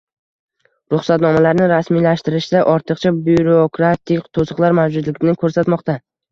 ruxsatnomalarni rasmiylashtirishda ortiqcha byurokratik to‘siqlar mavjudligini ko‘rsatmoqda.